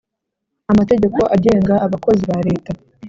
Amategeko agenga abakozi ba Leta